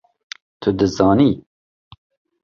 Tu dizanî!